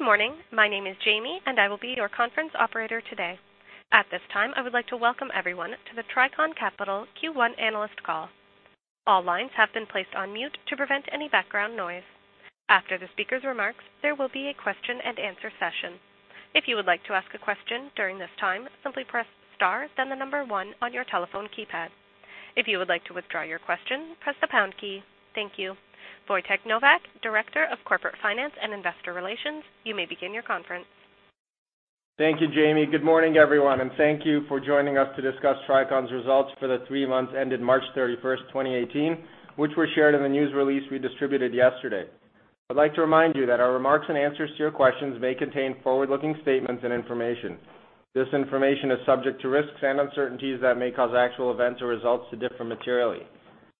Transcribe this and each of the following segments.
My name is Jamie. I will be your conference operator today. At this time, I would like to welcome everyone to the Tricon Capital Q1 analyst call. All lines have been placed on mute to prevent any background noise. After the speaker's remarks, there will be a question and answer session. If you would like to ask a question during this time, simply press star, then the number 1 on your telephone keypad. If you would like to withdraw your question, press the pound key. Thank you. Wojtek Nowak, Director of Corporate Finance and Investor Relations, you may begin your conference. Thank you, Jamie. Good morning, everyone. Thank you for joining us to discuss Tricon's results for the 3 months ended March 31, 2018, which were shared in the news release we distributed yesterday. I'd like to remind you that our remarks and answers to your questions may contain forward-looking statements and information. This information is subject to risks and uncertainties that may cause actual events or results to differ materially.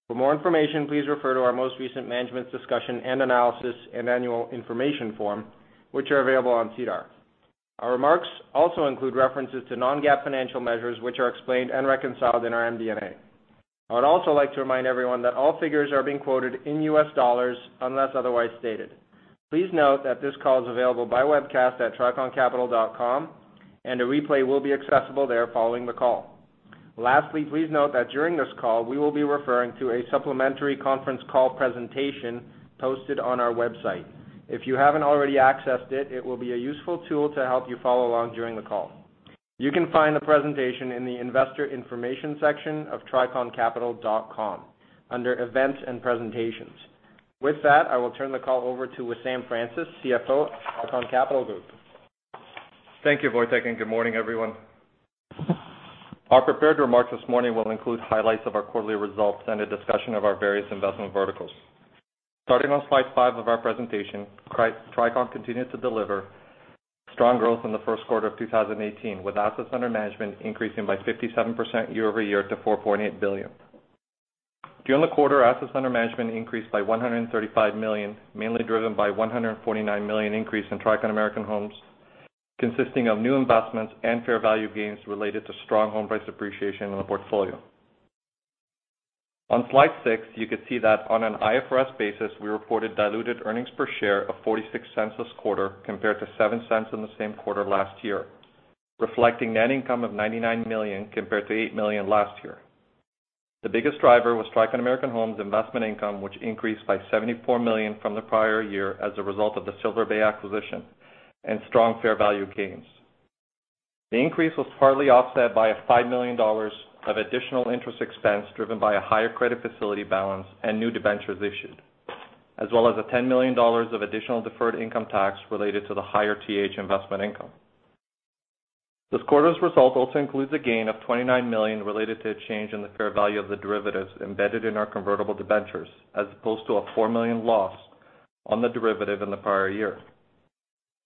For more information, please refer to our most recent Management's Discussion and Analysis and Annual Information Form, which are available on SEDAR. Our remarks also include references to non-GAAP financial measures which are explained and reconciled in our MD&A. I would also like to remind everyone that all figures are being quoted in U.S. dollars unless otherwise stated. Please note that this call is available by webcast at triconcapital.com. A replay will be accessible there following the call. Lastly, please note that during this call, we will be referring to a supplementary conference call presentation posted on our website. If you haven't already accessed it will be a useful tool to help you follow along during the call. You can find the presentation in the investor information section of triconcapital.com under events and presentations. With that, I will turn the call over to Wissam Francis, CFO of Tricon Capital Group. Thank you, Wojtek. Good morning, everyone. Our prepared remarks this morning will include highlights of our quarterly results and a discussion of our various investment verticals. Starting on slide five of our presentation, Tricon continued to deliver strong growth in the first quarter of 2018, with assets under management increasing by 57% year-over-year to $4.8 billion. During the quarter, assets under management increased by $135 million, mainly driven by $149 million increase in Tricon American Homes, consisting of new investments and fair value gains related to strong home price appreciation in the portfolio. On slide six, you could see that on an IFRS basis, we reported diluted earnings per share of $0.46 this quarter compared to $0.07 in the same quarter last year, reflecting net income of $99 million compared to $8 million last year. The biggest driver was Tricon American Homes investment income, which increased by $74 million from the prior year as a result of the Silver Bay acquisition and strong fair value gains. The increase was partly offset by a $5 million of additional interest expense driven by a higher credit facility balance and new debentures issued, as well as a $10 million of additional deferred income tax related to the higher TH investment income. This quarter's result also includes a gain of $29 million related to a change in the fair value of the derivatives embedded in our convertible debentures, as opposed to a $4 million loss on the derivative in the prior year.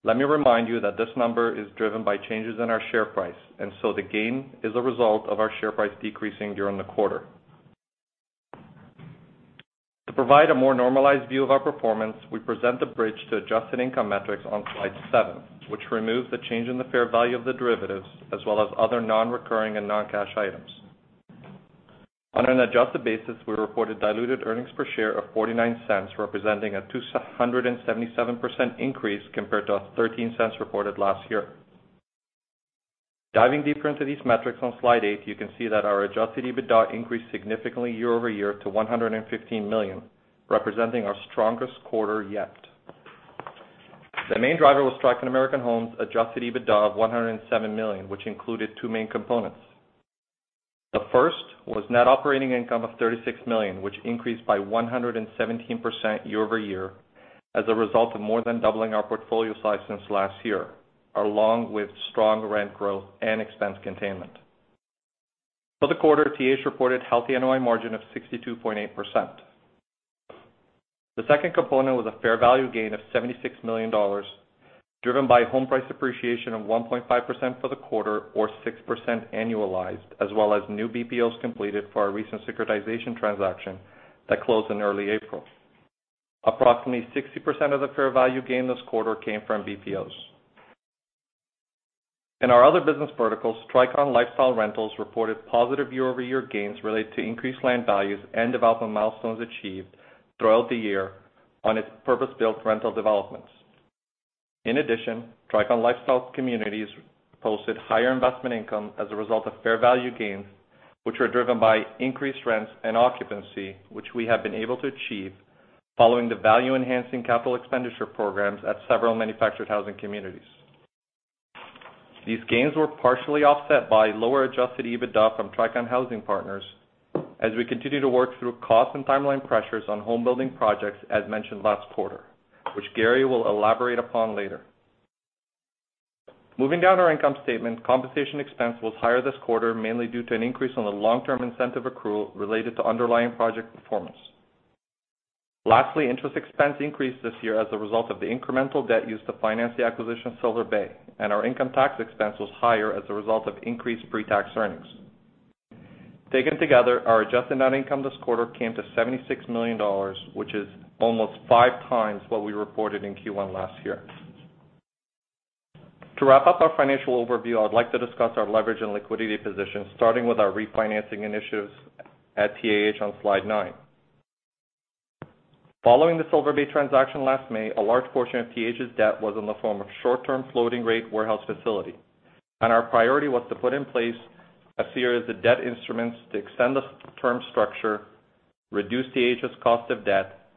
Let me remind you that this number is driven by changes in our share price, so the gain is a result of our share price decreasing during the quarter. To provide a more normalized view of our performance, we present the bridge to adjusted income metrics on slide seven, which removes the change in the fair value of the derivatives, as well as other non-recurring and non-cash items. On an adjusted basis, we reported diluted earnings per share of $0.49, representing a 277% increase compared to $0.13 reported last year. Diving deeper into these metrics on slide eight, you can see that our adjusted EBITDA increased significantly year-over-year to $115 million, representing our strongest quarter yet. The main driver was Tricon American Homes' adjusted EBITDA of $107 million, which included two main components. The first was net operating income of $36 million, which increased by 117% year-over-year as a result of more than doubling our portfolio size since last year, along with strong rent growth and expense containment. For the quarter, TH reported healthy NOI margin of 62.8%. The second component was a fair value gain of $76 million, driven by home price appreciation of 1.5% for the quarter or 6% annualized, as well as new BPOs completed for our recent securitization transaction that closed in early April. Approximately 60% of the fair value gain this quarter came from BPOs. In our other business verticals, Tricon Lifestyle Rentals reported positive year-over-year gains related to increased land values and development milestones achieved throughout the year on its purpose-built rental developments. In addition, Tricon Lifestyle Communities posted higher investment income as a result of fair value gains, which were driven by increased rents and occupancy, which we have been able to achieve following the value-enhancing capital expenditure programs at several manufactured housing communities. These gains were partially offset by lower adjusted EBITDA from Tricon Housing Partners as we continue to work through cost and timeline pressures on home building projects as mentioned last quarter, which Gary will elaborate upon later. Moving down our income statement, compensation expense was higher this quarter, mainly due to an increase on the long-term incentive accrual related to underlying project performance. Lastly, interest expense increased this year as a result of the incremental debt used to finance the acquisition of Silver Bay, and our income tax expense was higher as a result of increased pre-tax earnings. Taken together, our adjusted net income this quarter came to $76 million, which is almost five times what we reported in Q1 last year. To wrap up our financial overview, I would like to discuss our leverage and liquidity position, starting with our refinancing initiatives at TH on slide nine. Following the Silver Bay transaction last May, a large portion of TH's debt was in the form of short-term floating rate warehouse facility. Our priority was to put in place a series of debt instruments to extend the term structure, reduce TH's cost of debt,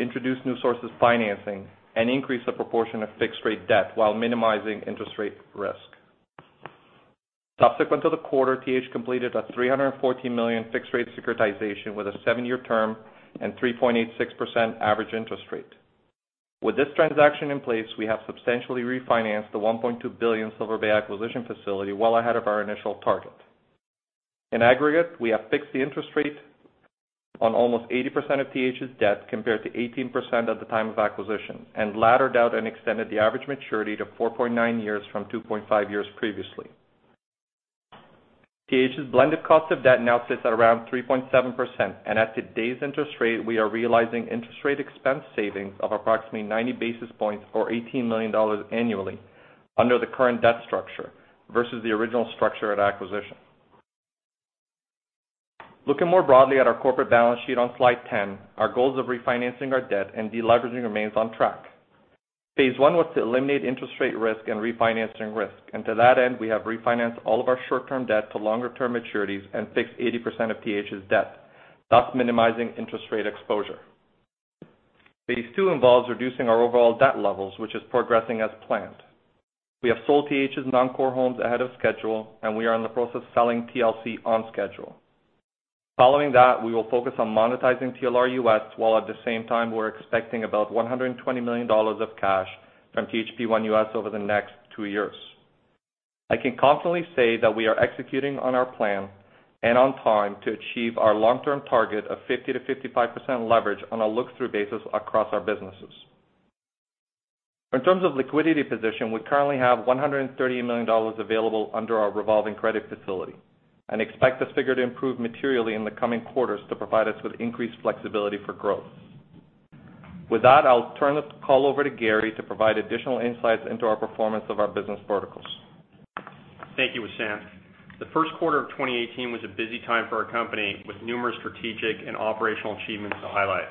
introduce new sources of financing, and increase the proportion of fixed rate debt while minimizing interest rate risk. Subsequent to the quarter, TH completed a $314 million fixed rate securitization with a seven-year term and 3.86% average interest rate. With this transaction in place, we have substantially refinanced the $1.2 billion Silver Bay acquisition facility well ahead of our initial target. In aggregate, we have fixed the interest rate on almost 80% of TH's debt, compared to 18% at the time of acquisition, and laddered out and extended the average maturity to 4.9 years from 2.5 years previously. TH's blended cost of debt now sits at around 3.7%. At today's interest rate, we are realizing interest rate expense savings of approximately 90 basis points or $18 million annually under the current debt structure versus the original structure at acquisition. Looking more broadly at our corporate balance sheet on slide 10, our goals of refinancing our debt and de-leveraging remains on track. Phase 1 was to eliminate interest rate risk and refinancing risk. To that end, we have refinanced all of our short-term debt to longer term maturities and fixed 80% of TH's debt, thus minimizing interest rate exposure. Phase 2 involves reducing our overall debt levels, which is progressing as planned. We have sold TH's non-core homes ahead of schedule, and we are in the process of selling TLC on schedule. Following that, we will focus on monetizing TLR US, while at the same time, we're expecting about $120 million of cash from THP1 US over the next two years. I can confidently say that we are executing on our plan and on time to achieve our long-term target of 50%-55% leverage on a look-through basis across our businesses. In terms of liquidity position, we currently have $130 million available under our revolving credit facility and expect this figure to improve materially in the coming quarters to provide us with increased flexibility for growth. With that, I'll turn the call over to Gary to provide additional insights into our performance of our business verticals. Thank you, Wissam. The first quarter of 2018 was a busy time for our company, with numerous strategic and operational achievements to highlight.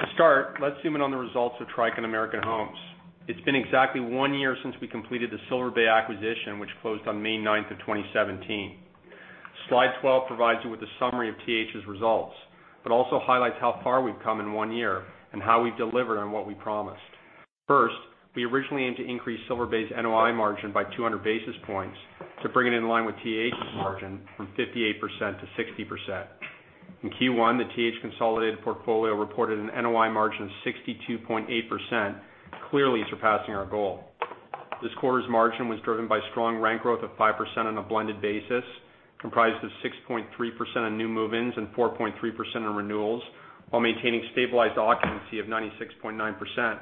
To start, let's zoom in on the results of Tricon American Homes. It's been exactly one year since we completed the Silver Bay acquisition, which closed on May 9th of 2017. Slide 12 provides you with a summary of TH's results, but also highlights how far we've come in one year and how we've delivered on what we promised. First, we originally aimed to increase Silver Bay's NOI margin by 200 basis points to bring it in line with TH's margin from 58%-60%. In Q1, the TH consolidated portfolio reported an NOI margin of 62.8%, clearly surpassing our goal. This quarter's margin was driven by strong rent growth of 5% on a blended basis, comprised of 6.3% on new move-ins and 4.3% on renewals, while maintaining stabilized occupancy of 96.9%.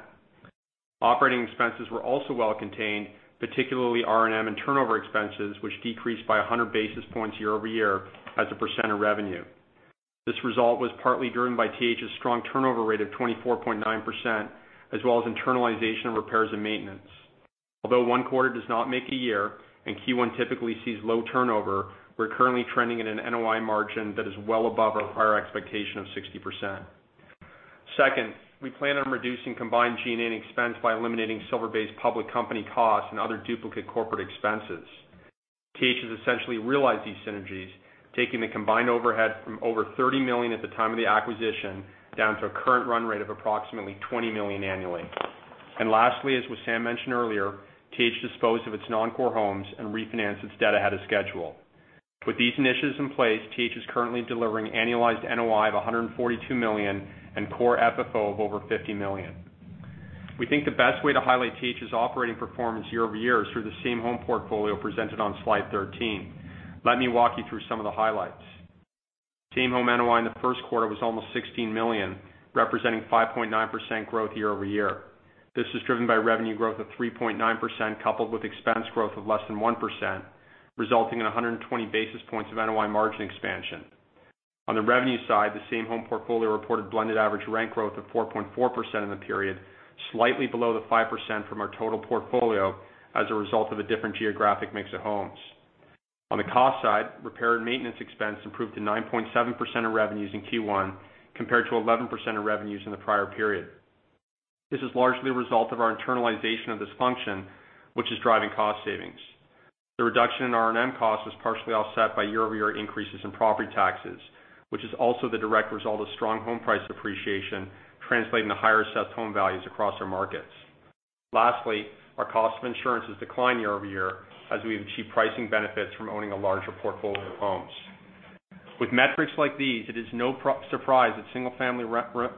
Operating expenses were also well contained, particularly R&M and turnover expenses, which decreased by 100 basis points year-over-year as a percent of revenue. This result was partly driven by TH's strong turnover rate of 24.9%, as well as internalization of repairs and maintenance. Although one quarter does not make a year and Q1 typically sees low turnover, we're currently trending at an NOI margin that is well above our prior expectation of 60%. Second, we plan on reducing combined G&A expense by eliminating Silver Bay's public company costs and other duplicate corporate expenses. TH has essentially realized these synergies, taking the combined overhead from over $30 million at the time of the acquisition down to a current run rate of approximately $20 million annually. Lastly, as Wissam mentioned earlier, TH disposed of its non-core homes and refinanced its debt ahead of schedule. With these initiatives in place, TH is currently delivering annualized NOI of $142 million and core FFO of over $50 million. We think the best way to highlight TH's operating performance year-over-year is through the same-home portfolio presented on slide 13. Let me walk you through some of the highlights. Same-home NOI in the first quarter was almost $16 million, representing 5.9% growth year-over-year. This was driven by revenue growth of 3.9%, coupled with expense growth of less than 1%, resulting in 120 basis points of NOI margin expansion. On the revenue side, the same-home portfolio reported blended average rent growth of 4.4% in the period, slightly below the 5% from our total portfolio as a result of a different geographic mix of homes. On the cost side, repair and maintenance expense improved to 9.7% of revenues in Q1 compared to 11% of revenues in the prior period. This is largely a result of our internalization of this function, which is driving cost savings. The reduction in R&M cost was partially offset by year-over-year increases in property taxes, which is also the direct result of strong home price appreciation translating to higher assessed home values across our markets. Lastly, our cost of insurance has declined year-over-year as we achieve pricing benefits from owning a larger portfolio of homes. With metrics like these, it is no surprise that single-family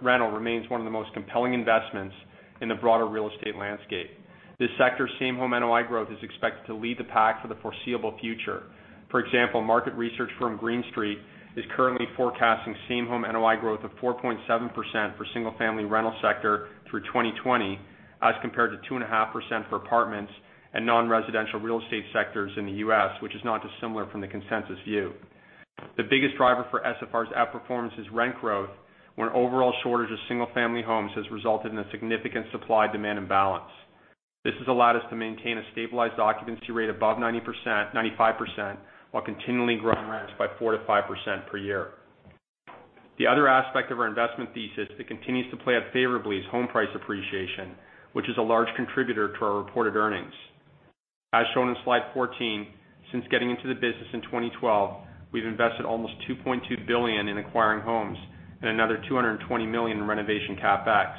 rental remains one of the most compelling investments in the broader real estate landscape. This sector same-home NOI growth is expected to lead the pack for the foreseeable future. For example, market research firm Green Street is currently forecasting same-home NOI growth of 4.7% for single-family rental sector through 2020 as compared to 2.5% for apartments and non-residential real estate sectors in the U.S., which is not dissimilar from the consensus view. The biggest driver for SFR's outperformance is rent growth, where an overall shortage of single-family homes has resulted in a significant supply-demand imbalance. This has allowed us to maintain a stabilized occupancy rate above 95%, while continually growing rents by 4%-5% per year. The other aspect of our investment thesis that continues to play out favorably is home price appreciation, which is a large contributor to our reported earnings. As shown in slide 14, since getting into the business in 2012, we've invested almost 2.2 billion in acquiring homes and another 220 million in renovation CapEx.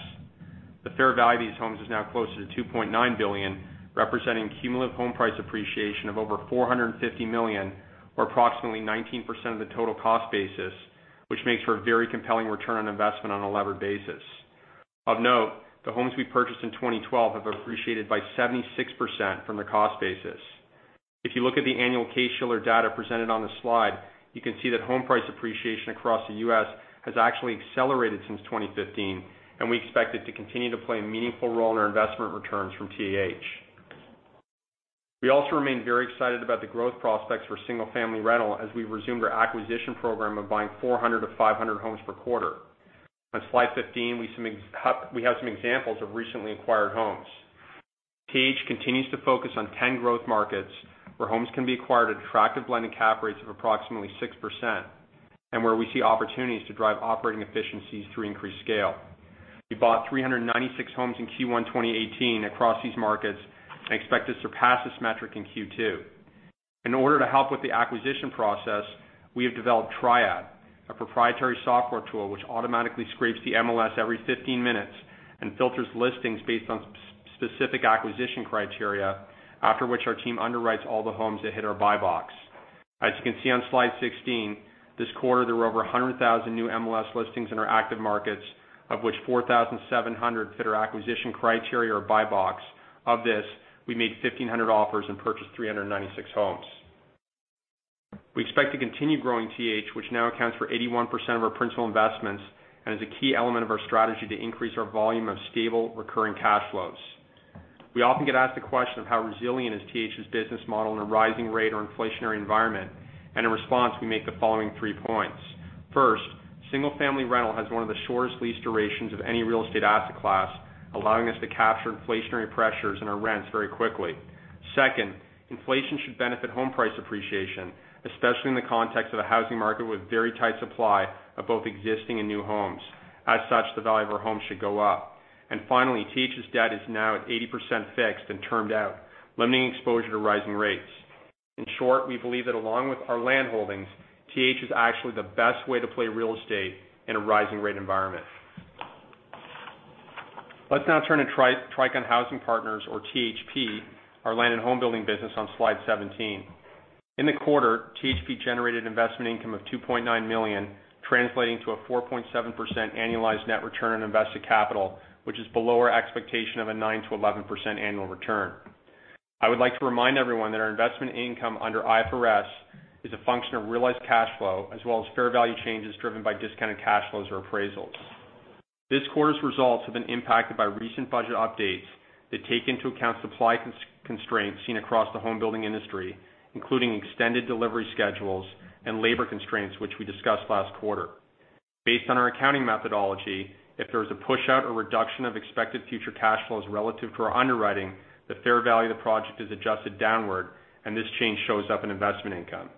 The fair value of these homes is now closer to 2.9 billion, representing cumulative home price appreciation of over 450 million or approximately 19% of the total cost basis, which makes for a very compelling return on investment on a levered basis. Of note, the homes we purchased in 2012 have appreciated by 76% from the cost basis. If you look at the annual Case-Shiller data presented on the slide, you can see that home price appreciation across the U.S. has actually accelerated since 2015. We expect it to continue to play a meaningful role in our investment returns from TH. We also remain very excited about the growth prospects for single-family rental as we resume our acquisition program of buying 400 to 500 homes per quarter. On slide 15, we have some examples of recently acquired homes. TH continues to focus on 10 growth markets where homes can be acquired at attractive blended cap rates of approximately 6%, and where we see opportunities to drive operating efficiencies through increased scale. We bought 396 homes in Q1 2018 across these markets and expect to surpass this metric in Q2. In order to help with the acquisition process, we have developed TriAD, a proprietary software tool which automatically scrapes the MLS every 15 minutes and filters listings based on specific acquisition criteria, after which our team underwrites all the homes that hit our buy box. As you can see on slide 16, this quarter, there were over 100,000 new MLS listings in our active markets, of which 4,700 fit our acquisition criteria or buy box. Of this, we made 1,500 offers and purchased 396 homes. We expect to continue growing TH, which now accounts for 81% of our principal investments and is a key element of our strategy to increase our volume of stable recurring cash flows. We often get asked the question of how resilient is TH's business model in a rising rate or inflationary environment. In response, we make the following three points. First, single-family rental has one of the shortest lease durations of any real estate asset class, allowing us to capture inflationary pressures in our rents very quickly. Second, inflation should benefit home price appreciation, especially in the context of a housing market with very tight supply of both existing and new homes. As such, the value of our homes should go up. Finally, TH's debt is now at 80% fixed and termed out, limiting exposure to rising rates. In short, we believe that along with our land holdings, TH is actually the best way to play real estate in a rising rate environment. Let's now turn to Tricon Housing Partners or THP, our land and home building business on slide 17. In the quarter, THP generated investment income of $2.9 million, translating to a 4.7% annualized net return on invested capital, which is below our expectation of a 9%-11% annual return. I would like to remind everyone that our investment income under IFRS is a function of realized cash flow as well as fair value changes driven by discounted cash flows or appraisals. This quarter's results have been impacted by recent budget updates that take into account supply constraints seen across the home building industry, including extended delivery schedules and labor constraints, which we discussed last quarter. Based on our accounting methodology, if there is a push out or reduction of expected future cash flows relative to our underwriting, the fair value of the project is adjusted downward, and this change shows up in investment income.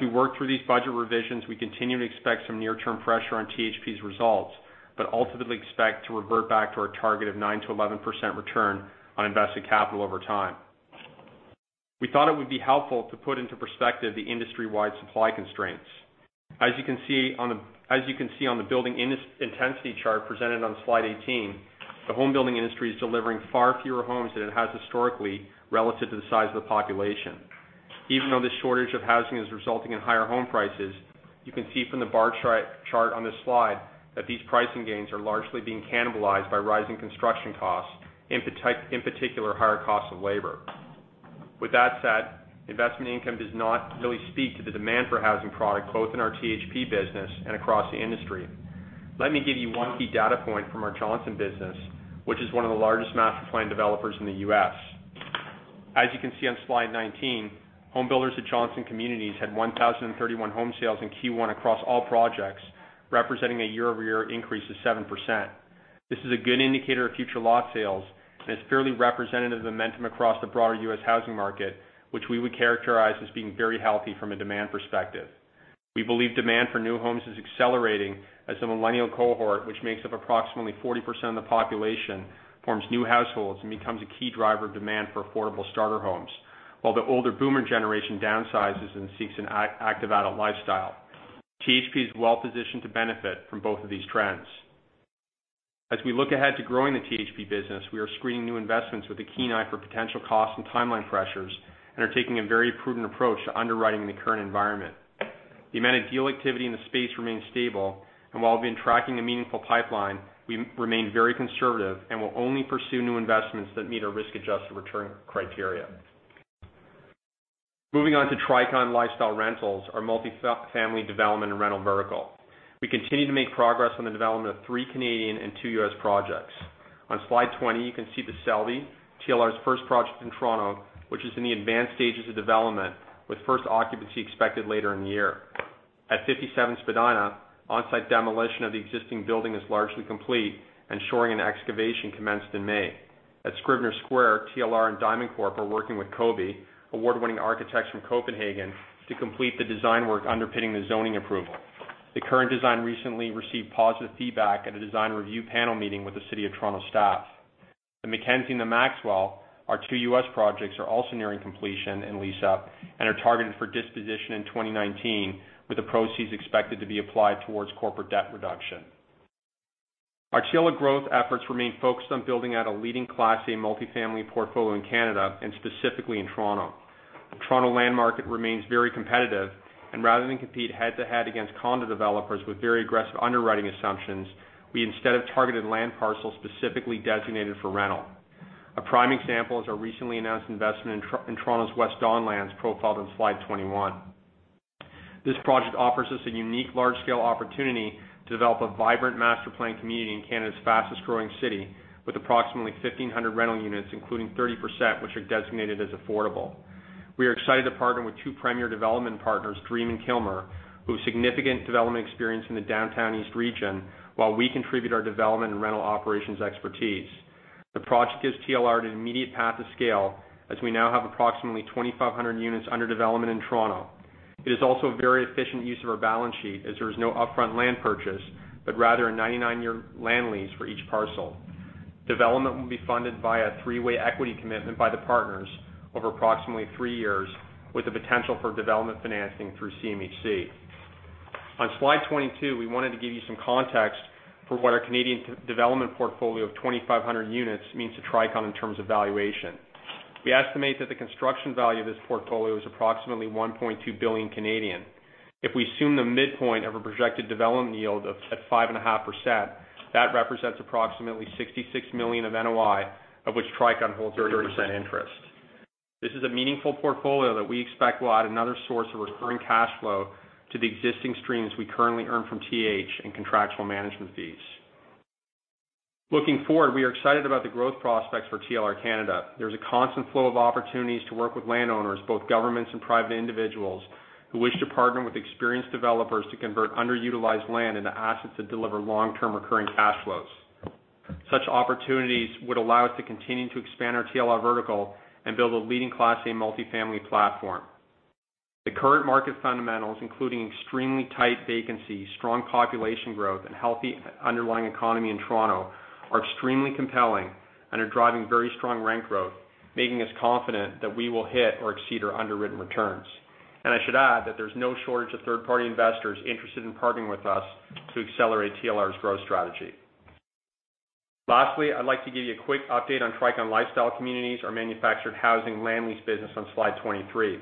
We work through these budget revisions, we continue to expect some near-term pressure on THP's results, but ultimately expect to revert back to our target of 9%-11% return on invested capital over time. We thought it would be helpful to put into perspective the industry-wide supply constraints. As you can see on the building intensity chart presented on slide 18, the home building industry is delivering far fewer homes than it has historically relative to the size of the population. This shortage of housing is resulting in higher home prices, you can see from the bar chart on this slide that these pricing gains are largely being cannibalized by rising construction costs, in particular, higher costs of labor. That said, investment income does not really speak to the demand for housing product, both in our THP business and across the industry. Let me give you one key data point from our Johnson business, which is one of the largest master planned developers in the U.S. You can see on slide 19, home builders at Johnson Communities had 1,031 home sales in Q1 across all projects, representing a year-over-year increase of 7%. This is a good indicator of future lot sales, and it's fairly representative of the momentum across the broader U.S. housing market, which we would characterize as being very healthy from a demand perspective. We believe demand for new homes is accelerating as the millennial cohort, which makes up approximately 40% of the population, forms new households and becomes a key driver of demand for affordable starter homes, while the older boomer generation downsizes and seeks an active adult lifestyle. THP is well-positioned to benefit from both of these trends. We look ahead to growing the THP business, we are screening new investments with a keen eye for potential cost and timeline pressures and are taking a very prudent approach to underwriting in the current environment. The amount of deal activity in the space remains stable, and while we've been tracking a meaningful pipeline, we remain very conservative and will only pursue new investments that meet our risk-adjusted return criteria. Moving on to Tricon Lifestyle Rentals, our multi-family development and rental vertical. We continue to make progress on the development of three Canadian and two U.S. projects. On slide 20, you can see The Selby, TLR's first project in Toronto, which is in the advanced stages of development, with first occupancy expected later in the year. At 57 Spadina, on-site demolition of the existing building is largely complete, and shoring and excavation commenced in May. At Scrivener Square, TLR and Diamond Corp are working with COBE, award-winning architects from Copenhagen, to complete the design work underpinning the zoning approval. The current design recently received positive feedback at a design review panel meeting with the City of Toronto staff. The McKenzie and The Maxwell, our two U.S. projects, are also nearing completion and lease-up, and are targeted for disposition in 2019, with the proceeds expected to be applied towards corporate debt reduction. Our TLR growth efforts remain focused on building out a leading Class A multifamily portfolio in Canada, and specifically in Toronto. The Toronto land market remains very competitive, rather than compete head-to-head against condo developers with very aggressive underwriting assumptions, we instead have targeted land parcels specifically designated for rental. A prime example is our recently announced investment in Toronto's West Don Lands, profiled on slide 21. This project offers us a unique large-scale opportunity to develop a vibrant master-planned community in Canada's fastest-growing city, with approximately 1,500 rental units, including 30%, which are designated as affordable. We are excited to partner with two premier development partners, Dream and Kilmer, who have significant development experience in the Downtown East region, while we contribute our development and rental operations expertise. The project gives TLR an immediate path to scale, as we now have approximately 2,500 units under development in Toronto. It is also a very efficient use of our balance sheet, as there is no upfront land purchase, but rather a 99-year land lease for each parcel. Development will be funded by a three-way equity commitment by the partners over approximately three years, with the potential for development financing through CMHC. On slide 22, we wanted to give you some context for what our Canadian development portfolio of 2,500 units means to Tricon in terms of valuation. We estimate that the construction value of this portfolio is approximately 1.2 billion. If we assume the midpoint of a projected development yield of at 5.5%, that represents approximately $66 million of NOI, of which Tricon holds 30% interest. This is a meaningful portfolio that we expect will add another source of recurring cash flow to the existing streams we currently earn from TH and contractual management fees. Looking forward, we are excited about the growth prospects for TLR Canada. There is a constant flow of opportunities to work with landowners, both governments and private individuals, who wish to partner with experienced developers to convert underutilized land into assets that deliver long-term recurring cash flows. Such opportunities would allow us to continue to expand our TLR vertical and build a leading Class A multifamily platform. The current market fundamentals, including extremely tight vacancy, strong population growth, and healthy underlying economy in Toronto, are extremely compelling and are driving very strong rent growth, making us confident that we will hit or exceed our underwritten returns. I should add that there's no shortage of third-party investors interested in partnering with us to accelerate TLR's growth strategy. Lastly, I'd like to give you a quick update on Tricon Lifestyle Communities, our manufactured housing land lease business on slide 23.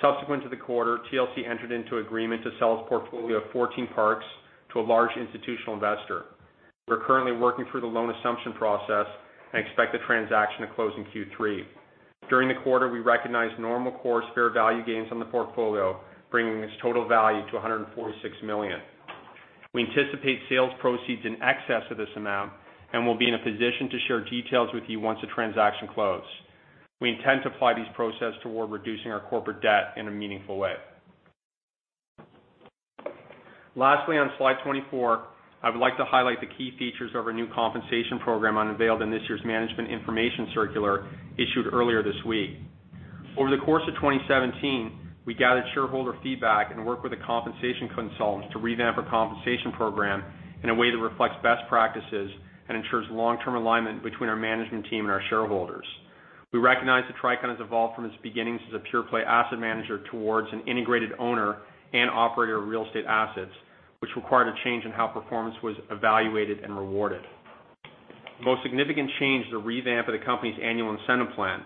Subsequent to the quarter, TLC entered into agreement to sell its portfolio of 14 parks to a large institutional investor. We're currently working through the loan assumption process and expect the transaction to close in Q3. During the quarter, we recognized normal course fair value gains on the portfolio, bringing its total value to 146 million. We anticipate sales proceeds in excess of this amount and will be in a position to share details with you once the transaction closed. We intend to apply these proceeds toward reducing our corporate debt in a meaningful way. Lastly, on Slide 24, I would like to highlight the key features of our new compensation program unveiled in this year's management information circular issued earlier this week. Over the course of 2017, we gathered shareholder feedback and worked with a compensation consultant to revamp a compensation program in a way that reflects best practices and ensures long-term alignment between our management team and our shareholders. We recognize that Tricon has evolved from its beginnings as a pure-play asset manager towards an integrated owner and operator of real estate assets, which required a change in how performance was evaluated and rewarded. The most significant change is the revamp of the company's annual incentive plan.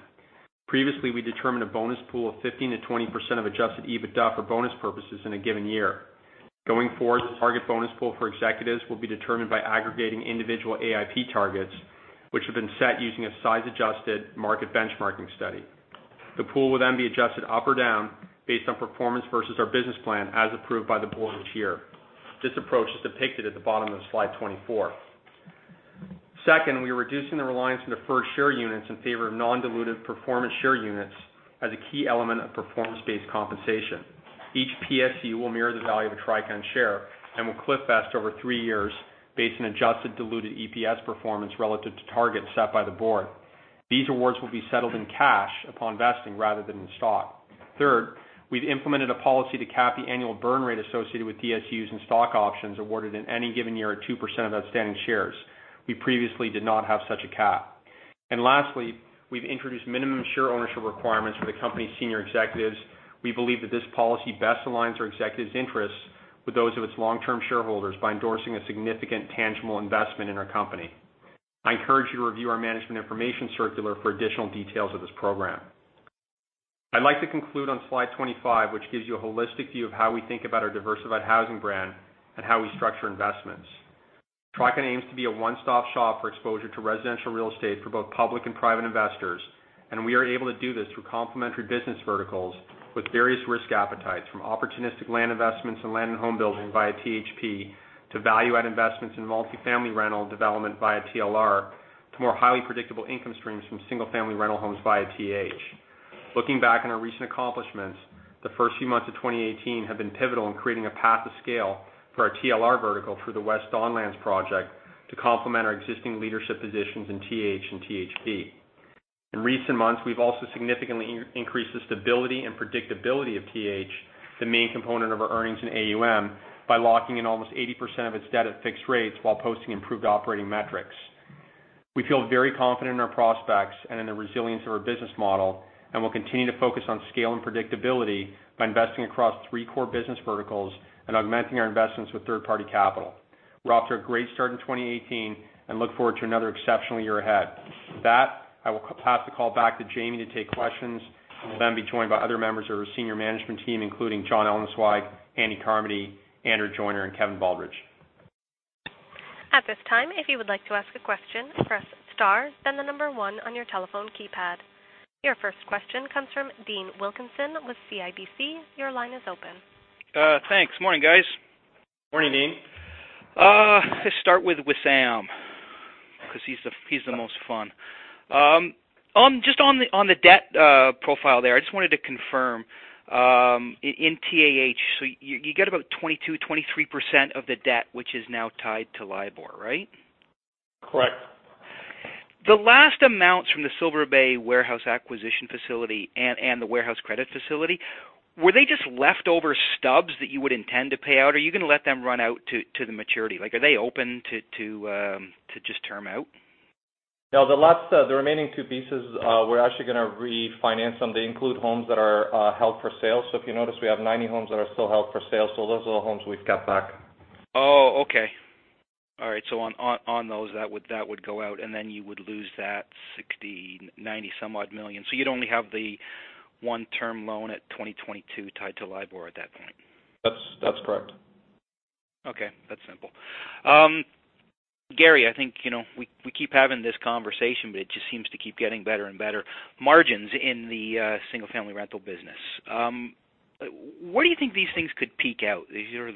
Previously, we determined a bonus pool of 15%-20% of adjusted EBITDA for bonus purposes in a given year. Going forward, the target bonus pool for executives will be determined by aggregating individual AIP targets, which have been set using a size-adjusted market benchmarking study. The pool will then be adjusted up or down based on performance versus our business plan as approved by the board each year. This approach is depicted at the bottom of Slide 24. Second, we are reducing the reliance on deferred share units in favor of non-dilutive performance share units as a key element of performance-based compensation. Each PSU will mirror the value of a Tricon share and will cliff vest over three years based on adjusted diluted EPS performance relative to targets set by the board. These awards will be settled in cash upon vesting rather than in stock. Third, we've implemented a policy to cap the annual burn rate associated with DSUs and stock options awarded in any given year at 2% of outstanding shares. We previously did not have such a cap. Lastly, we've introduced minimum share ownership requirements for the company's senior executives. We believe that this policy best aligns our executives' interests with those of its long-term shareholders by endorsing a significant tangible investment in our company. I encourage you to review our management information circular for additional details of this program. I'd like to conclude on Slide 25, which gives you a holistic view of how we think about our diversified housing brand and how we structure investments. Tricon aims to be a one-stop shop for exposure to residential real estate for both public and private investors. We are able to do this through complementary business verticals with various risk appetites, from opportunistic land investments and land and home building via THP, to value-add investments in multi-family rental development via TLR, to more highly predictable income streams from single-family rental homes via TH. Looking back on our recent accomplishments, the first few months of 2018 have been pivotal in creating a path to scale for our TLR vertical through the West Don Lands project to complement our existing leadership positions in TH and THP. In recent months, we've also significantly increased the stability and predictability of TH, the main component of our earnings in AUM, by locking in almost 80% of its debt at fixed rates while posting improved operating metrics. We feel very confident in our prospects and in the resilience of our business model. We'll continue to focus on scale and predictability by investing across three core business verticals and augmenting our investments with third-party capital. We're off to a great start in 2018 and look forward to another exceptional year ahead. With that, I will pass the call back to Jamie to take questions. We'll then be joined by other members of our senior management team, including John Ellenzweig, Andy Carmody, Andrew Joyner and Kevin Baldridge. At this time, if you would like to ask a question, press star, then the number one on your telephone keypad. Your first question comes from Dean Wilkinson with CIBC. Your line is open. Thanks. Morning, guys. Morning, Dean. Let's start with Wissam, because he's the most fun. Just on the debt profile there, I just wanted to confirm. In TAH, you get about 22%-23% of the debt, which is now tied to LIBOR, right? Correct. The last amounts from the Silver Bay warehouse acquisition facility and the warehouse credit facility, were they just leftover stubs that you would intend to pay out, or are you going to let them run out to the maturity? Are they open to just term out? No, the remaining two pieces, we're actually going to refinance them. They include homes that are held for sale. If you notice, we have 90 homes that are still held for sale. Those are the homes we've got back. Oh, okay. All right. On those, that would go out, and then you would lose that $60 million, $90 million somewhat. You'd only have the one-term loan at 2022 tied to LIBOR at that point. That's correct. Okay. That's simple. Gary, I think, we keep having this conversation, but it just seems to keep getting better and better. Margins in the single-family rental business. Where do you think these things could peak out?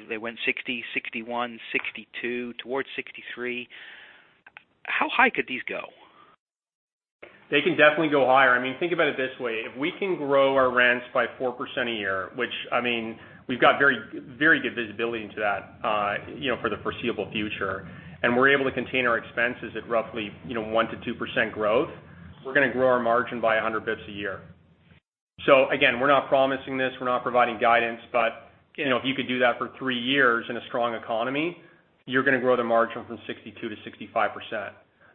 They went 60, 61, 62, towards 63. How high could these go? They can definitely go higher. Think about it this way. If we can grow our rents by 4% a year, which we've got very good visibility into that for the foreseeable future, and we're able to contain our expenses at roughly 1%-2% growth, we're going to grow our margin by 100 basis points a year. Again, we're not promising this, we're not providing guidance. If you could do that for three years in a strong economy, you're going to grow the margin from 62% to 65%.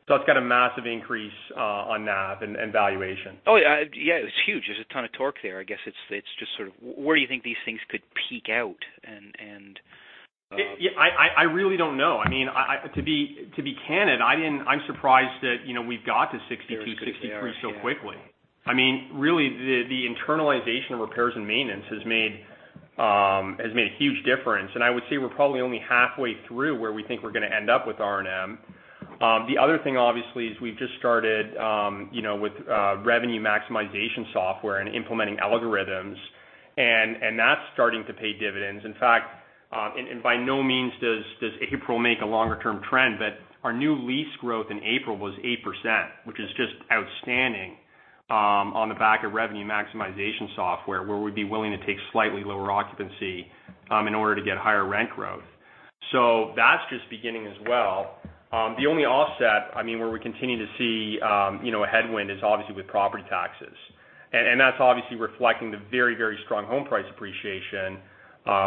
It's got a massive increase on NAV and valuation. Oh, yeah. It's huge. There's a ton of torque there. I guess it's just sort of where do you think these things could peak out. I really don't know. To be candid, I am surprised that we've got to 62, 63 so quickly. Really, the internalization of repairs and maintenance has made a huge difference. I would say we're probably only halfway through where we think we're going to end up with R&M. The other thing, obviously, is we've just started with revenue maximization software and implementing algorithms, and that's starting to pay dividends. In fact, and by no means does April make a longer-term trend, but our new lease growth in April was 8%, which is just outstanding, on the back of revenue maximization software, where we'd be willing to take slightly lower occupancy in order to get higher rent growth. That's just beginning as well. The only offset where we continue to see a headwind is obviously with property taxes. That's obviously reflecting the very, very strong home price appreciation,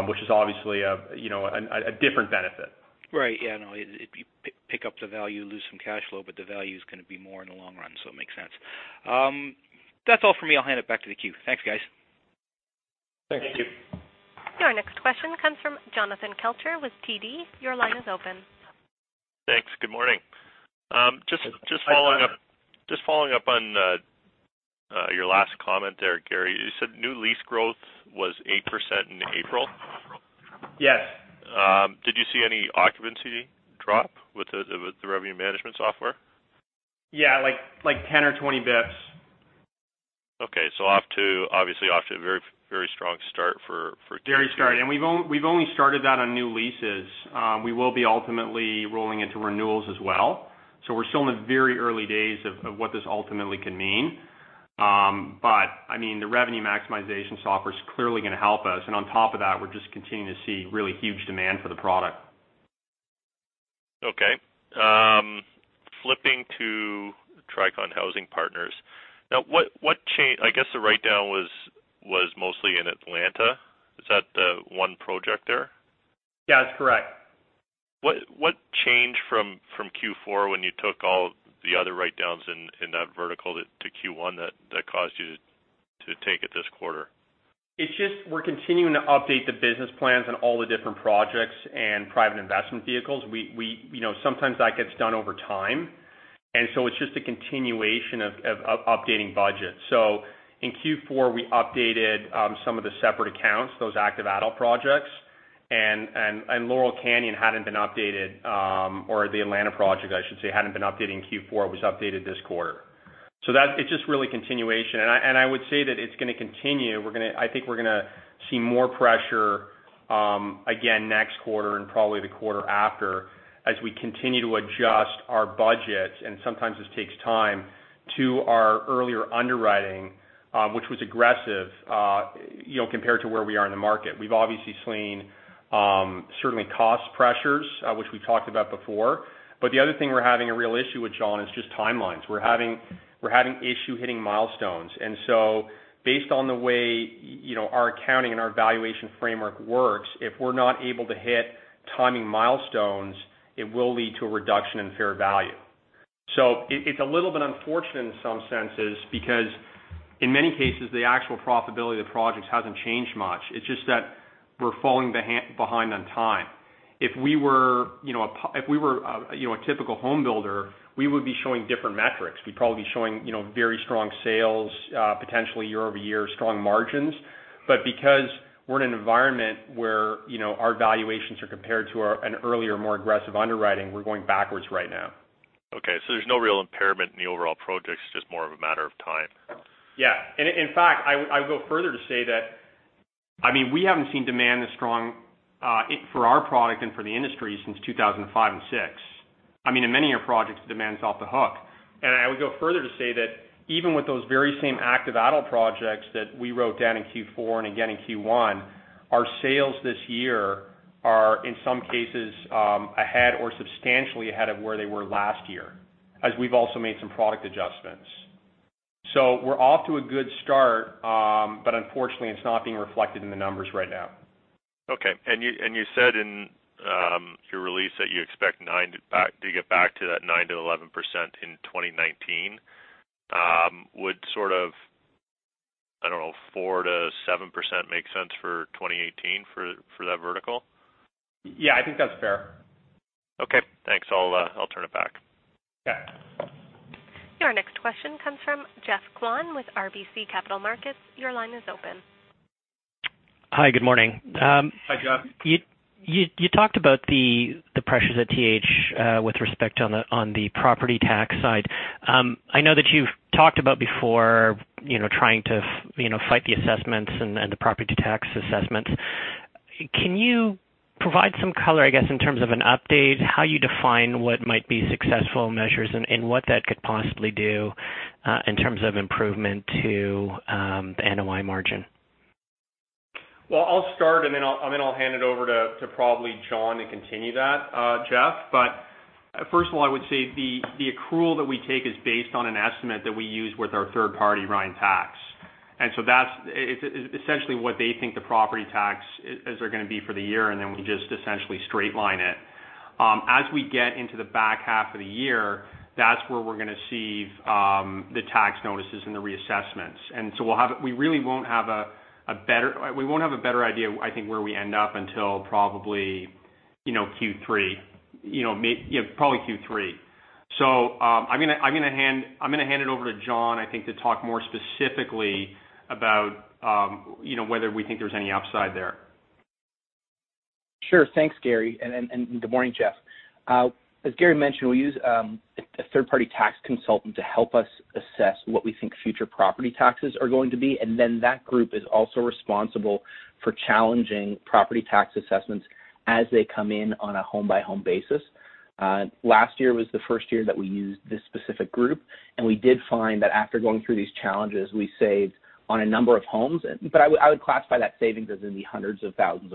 which is obviously a different benefit. Right. Yeah. If you pick up the value, you lose some cash flow, but the value is going to be more in the long run, so it makes sense. That's all for me. I'll hand it back to the queue. Thanks, guys. Thank you. Your next question comes from Jonathan Kelcher with TD. Your line is open. Thanks. Good morning. Just following up on your last comment there, Gary, you said new lease growth was 8% in April. Yes. Did you see any occupancy drop with the revenue management software? Yeah, like 10 or 20 basis points. Okay. Obviously off to a very strong start. Very strong start. We've only started that on new leases. We will be ultimately rolling into renewals as well. We're still in the very early days of what this ultimately can mean. The revenue maximization software is clearly going to help us. On top of that, we're just continuing to see really huge demand for the product. Okay. Flipping to Tricon Housing Partners. I guess the write-down was mostly in Atlanta. Is that the one project there? Yeah, that's correct. What changed from Q4 when you took all the other write-downs in that vertical to Q1 that caused you to take it this quarter? It's just we're continuing to update the business plans on all the different projects and private investment vehicles. Sometimes that gets done over time. It's just a continuation of updating budgets. In Q4, we updated some of the separate accounts, those active adult projects, and Laurel Canyon hadn't been updated, or the Atlanta project, I should say, hadn't been updated in Q4. It was updated this quarter. It's just really continuation. I would say that it's going to continue. I think we're going to see more pressure again next quarter and probably the quarter after as we continue to adjust our budgets, and sometimes this takes time, to our earlier underwriting, which was aggressive compared to where we are in the market. We've obviously seen certainly cost pressures, which we talked about before. The other thing we're having a real issue with, John, is just timelines. We're having issue hitting milestones, based on the way our accounting and our valuation framework works, if we're not able to hit timing milestones, it will lead to a reduction in fair value. It's a little bit unfortunate in some senses because, in many cases, the actual profitability of the projects hasn't changed much. It's just that we're falling behind on time. If we were a typical home builder, we would be showing different metrics. We'd probably be showing very strong sales, potentially year-over-year strong margins. Because we're in an environment where our valuations are compared to an earlier, more aggressive underwriting, we're going backwards right now. There's no real impairment in the overall projects, it's just more of a matter of time. Yeah. In fact, I would go further to say that we haven't seen demand this strong for our product and for the industry since 2005 and 2006. In many of our projects, demand's off the hook. I would go further to say that even with those very same active adult projects that we wrote down in Q4 and again in Q1, our sales this year are, in some cases, ahead or substantially ahead of where they were last year, as we've also made some product adjustments. We're off to a good start. Unfortunately, it's not being reflected in the numbers right now. Okay. You said in your release that you expect to get back to that 9%-11% in 2019. Would sort of, I don't know, 4%-7% make sense for 2018 for that vertical? Yeah, I think that's fair. Okay, thanks. I'll turn it back. Okay. Your next question comes from Geoffrey Kwan with RBC Capital Markets. Your line is open. Hi, good morning. Hi, Jeff. You talked about the pressures at TH with respect on the property tax side. I know that you've talked about before trying to fight the assessments and the property tax assessments. Can you provide some color, I guess, in terms of an update, how you define what might be successful measures and what that could possibly do in terms of improvement to the NOI margin? Well, I'll start and then I'll hand it over to probably John to continue that, Jeff. First of all, I would say the accrual that we take is based on an estimate that we use with our third party, Ryan, LLC. That's essentially what they think the property tax is going to be for the year, and then we just essentially straight line it. As we get into the back half of the year, that's where we're going to see the tax notices and the reassessments. We really won't have a better idea, I think, where we end up until probably Q3. I'm going to hand it over to John, I think, to talk more specifically about whether we think there's any upside there. Sure. Thanks, Gary, and good morning, Jeff. As Gary mentioned, we use a third-party tax consultant to help us assess what we think future property taxes are going to be, and then that group is also responsible for challenging property tax assessments as they come in on a home-by-home basis. Last year was the first year that we used this specific group, and we did find that after going through these challenges, we saved on a number of homes. I would classify that savings as in the $ hundreds of thousands.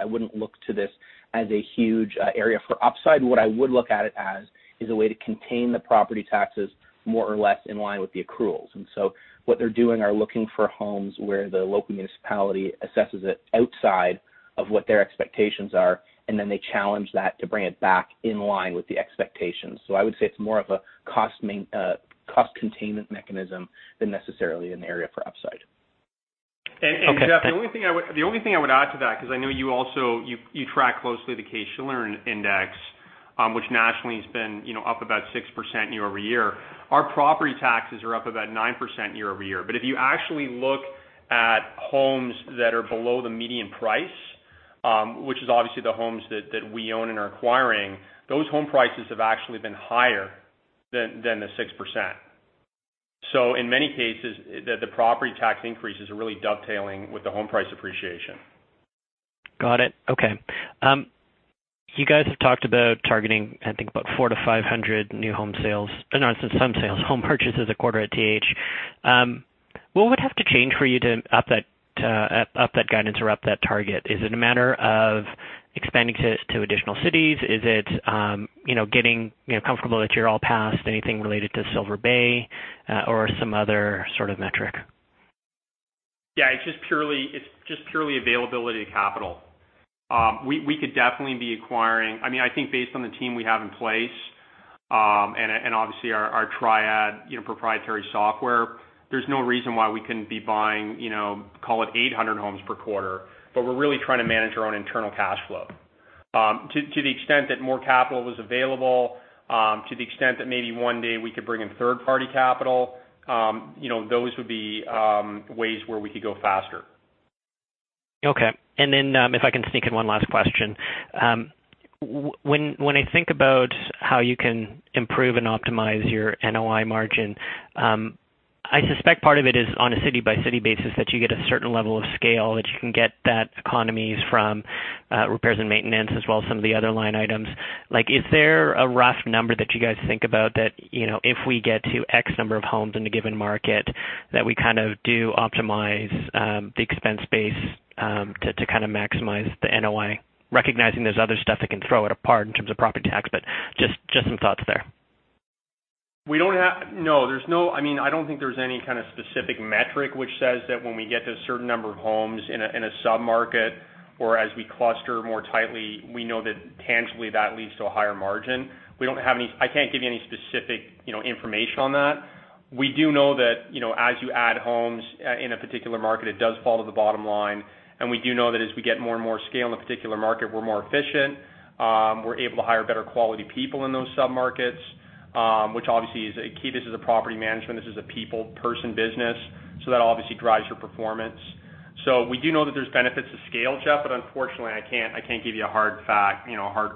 I wouldn't look to this as a huge area for upside. What I would look at it as is a way to contain the property taxes more or less in line with the accruals. What they're doing are looking for homes where the local municipality assesses it outside of what their expectations are, and then they challenge that to bring it back in line with the expectations. I would say it's more of a cost containment mechanism than necessarily an area for upside. Okay. Jeff, the only thing I would add to that, because I know you track closely the Case-Shiller index, which nationally has been up about 6% year-over-year. Our property taxes are up about 9% year-over-year. If you actually look at homes that are below the median price, which is obviously the homes that we own and are acquiring, those home prices have actually been higher than the 6%. In many cases, the property tax increases are really dovetailing with the home price appreciation. Got it. Okay. You guys have talked about targeting, I think, about 400-500 new home sales. No, it's in some sales. Home purchases a quarter at TH. What would have to change for you to up that guidance or up that target? Is it a matter of expanding to additional cities? Is it getting comfortable that you're all past anything related to Silver Bay or some other sort of metric? Yeah, it's just purely availability of capital. We could definitely be acquiring. I think based on the team we have in place, and obviously our TriAD proprietary software, there's no reason why we couldn't be buying, call it 800 homes per quarter. We're really trying to manage our own internal cash flow. To the extent that more capital was available, to the extent that maybe one day we could bring in third-party capital. Those would be ways where we could go faster. Okay. If I can sneak in one last question. When I think about how you can improve and optimize your NOI margin, I suspect part of it is on a city-by-city basis, that you get a certain level of scale, that you can get that economies from repairs and maintenance as well as some of the other line items. Is there a rough number that you guys think about that, if we get to X number of homes in a given market, that we do optimize the expense base to maximize the NOI? Recognizing there's other stuff that can throw it apart in terms of property tax, just some thoughts there. No. I don't think there's any kind of specific metric which says that when we get to a certain number of homes in a sub-market, or as we cluster more tightly, we know that tangibly that leads to a higher margin. I can't give you any specific information on that. We do know that, as you add homes in a particular market, it does fall to the bottom line. We do know that as we get more and more scale in a particular market, we're more efficient. We're able to hire better quality people in those sub-markets, which obviously is a key. This is a property management, this is a people person business, that obviously drives your performance. We do know that there's benefits to scale, Jeff, unfortunately, I can't give you a hard fact, a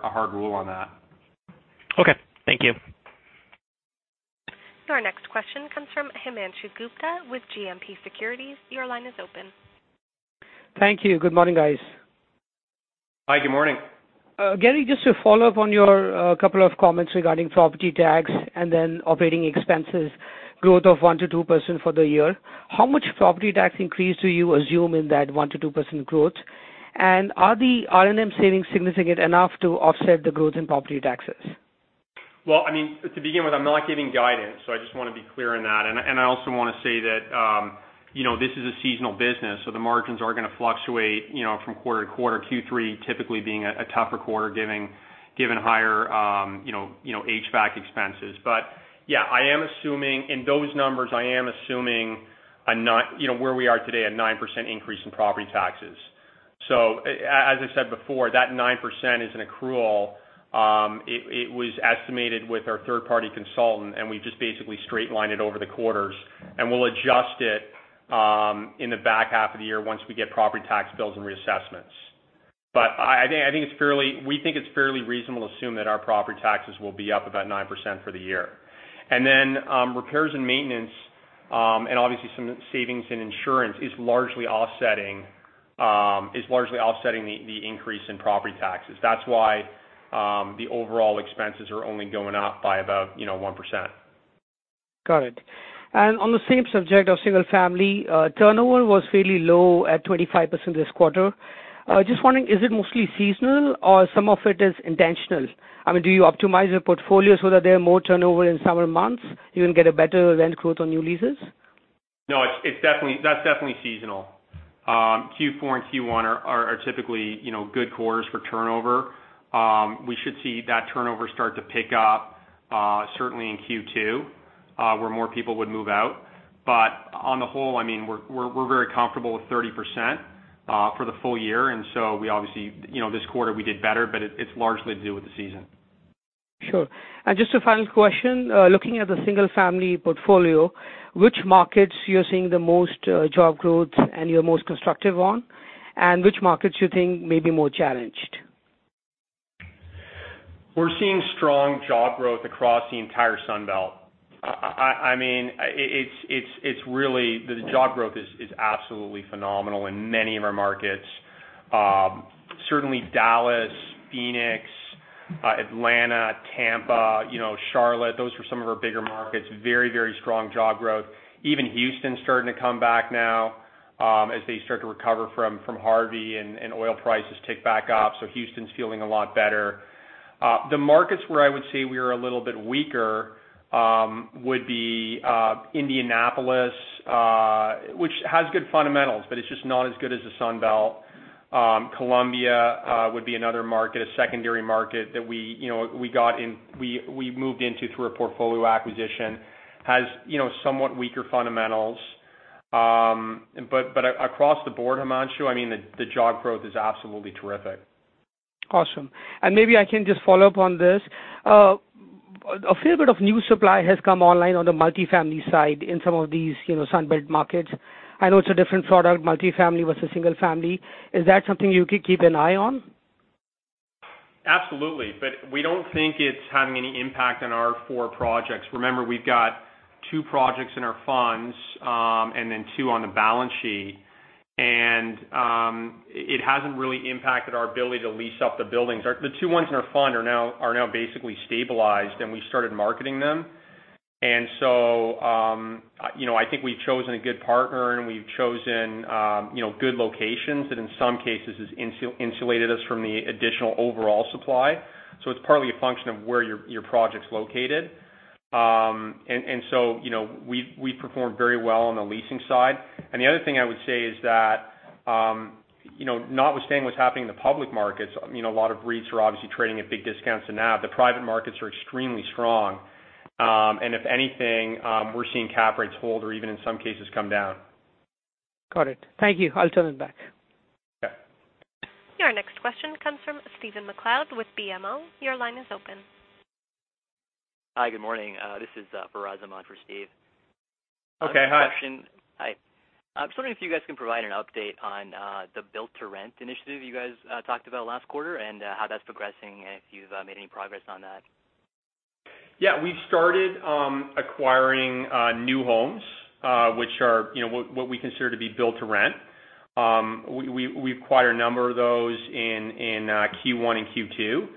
hard rule on that. Okay, thank you. Our next question comes from Himanshu Gupta with GMP Securities. Your line is open. Thank you. Good morning, guys. Hi, good morning. Gary, just to follow up on your couple of comments regarding property tax and then operating expenses growth of 1% to 2% for the year. How much property tax increase do you assume in that 1% to 2% growth? Are the R&M savings significant enough to offset the growth in property taxes? Well, to begin with, I'm not giving guidance, I just want to be clear on that. I also want to say that this is a seasonal business, the margins are going to fluctuate from quarter to quarter. Q3 typically being a tougher quarter given higher HVAC expenses. Yeah, in those numbers, I am assuming where we are today, a 9% increase in property taxes. As I said before, that 9% is an accrual. It was estimated with our third-party consultant, and we've just basically straight lined it over the quarters, and we'll adjust it in the back half of the year once we get property tax bills and reassessments. We think it's fairly reasonable to assume that our property taxes will be up about 9% for the year. Repairs and maintenance, and obviously some savings and insurance is largely offsetting the increase in property taxes. That's why the overall expenses are only going up by about 1%. Got it. On the same subject of single-family, turnover was fairly low at 25% this quarter. Just wondering, is it mostly seasonal or some of it is intentional? Do you optimize your portfolio so that there are more turnover in summer months, you will get a better rent growth on new leases? That's definitely seasonal. Q4 and Q1 are typically good quarters for turnover. We should see that turnover start to pick up certainly in Q2, where more people would move out. On the whole, we're very comfortable with 30% for the full year. We obviously, this quarter we did better, but it's largely to do with the season. Sure. Just a final question. Looking at the single-family portfolio, which markets you're seeing the most job growth and you're most constructive on, and which markets you think may be more challenged? We're seeing strong job growth across the entire Sun Belt. The job growth is absolutely phenomenal in many of our markets. Certainly Dallas, Phoenix, Atlanta, Tampa, Charlotte, those are some of our bigger markets. Very strong job growth. Even Houston's starting to come back now as they start to recover from Harvey and oil prices tick back up. Houston's feeling a lot better. The markets where I would say we are a little bit weaker would be Indianapolis, which has good fundamentals, but it's just not as good as the Sun Belt. Columbia would be another market, a secondary market that we moved into through a portfolio acquisition. Has somewhat weaker fundamentals. Across the board, Himanshu, the job growth is absolutely terrific. Awesome. Maybe I can just follow up on this. A fair bit of new supply has come online on the multi-family side in some of these Sun Belt markets. I know it's a different product, multi-family versus single family. Is that something you could keep an eye on? Absolutely. We don't think it's having any impact on our four projects. Remember, we've got two projects in our funds, then two on the balance sheet. It hasn't really impacted our ability to lease up the buildings. The two ones in our fund are now basically stabilized, we started marketing them. I think we've chosen a good partner and we've chosen good locations that in some cases has insulated us from the additional overall supply. It's partly a function of where your project's located. We performed very well on the leasing side. The other thing I would say is that, notwithstanding what's happening in the public markets, a lot of REITs are obviously trading at big discounts to NAV. The private markets are extremely strong. If anything, we're seeing cap rates hold or even in some cases come down. Got it. Thank you. I'll turn it back. Okay. Your next question comes from Stephen MacLeod with BMO. Your line is open. Hi. Good morning. This is Faraz Ahmad for Steve. Okay. Hi. Hi. I was wondering if you guys can provide an update on the build-to-rent initiative you guys talked about last quarter and how that's progressing, and if you've made any progress on that. Yeah. We've started acquiring new homes, which are what we consider to be build to rent. We acquired a number of those in Q1 and Q2.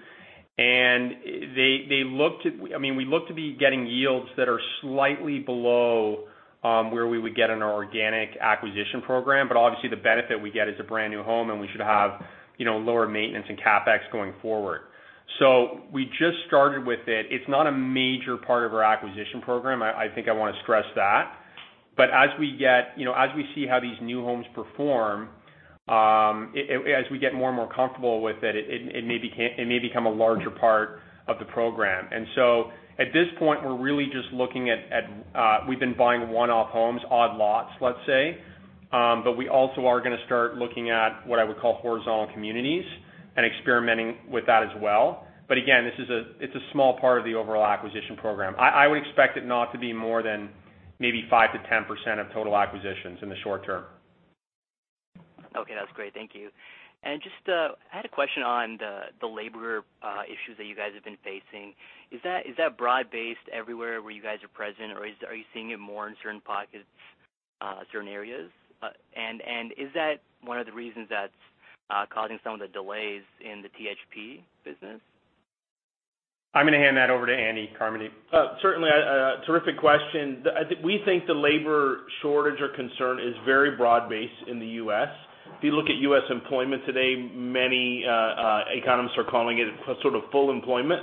We look to be getting yields that are slightly below where we would get in our organic acquisition program. Obviously, the benefit we get is a brand new home, and we should have lower maintenance and CapEx going forward. We just started with it. It's not a major part of our acquisition program. I think I want to stress that. As we see how these new homes perform, as we get more and more comfortable with it may become a larger part of the program. At this point, we've been buying one-off homes, odd lots, let's say. We also are going to start looking at what I would call horizontal communities and experimenting with that as well. Again, it's a small part of the overall acquisition program. I would expect it not to be more than maybe 5%-10% of total acquisitions in the short term. Okay. That's great. Thank you. I had a question on the labor issues that you guys have been facing. Is that broad-based everywhere where you guys are present, or are you seeing it more in certain pockets, certain areas? Is that one of the reasons that's causing some of the delays in the THP business? I'm going to hand that over to Andy Carmody. Certainly. Terrific question. We think the labor shortage or concern is very broad-based in the U.S. If you look at U.S. employment today, many economists are calling it sort of full employment.